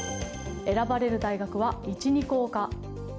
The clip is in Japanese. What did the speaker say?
選ばれる大学は１２校か。